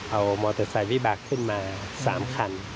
เอามอเตอร์ไซค์วิบากขึ้นมา๓คัน